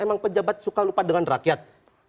emang pejabat suka lupa dengan rakyat